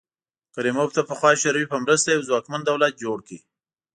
کریموف د پخوا شوروي په مرسته یو ځواکمن دولت جوړ کړ.